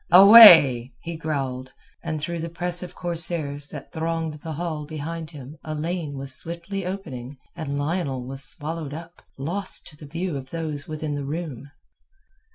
"Away!" he growled, and through the press of corsairs that thronged the hall behind him a lane was swiftly opened and Lionel was swallowed up, lost to the view of those within the room.